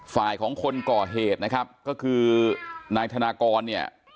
ฝ่ายของคนก่อเหตุนะครับก็คือนายธนากรเนี่ย